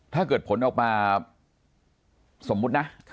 ถ้าเกิดผลออกมาสมมุตินะ